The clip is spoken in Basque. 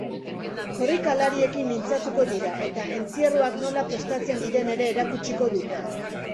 Korrikalariekin mintzatuko dira eta entzierroak nola prestatzen diren ere erakutsiko dute.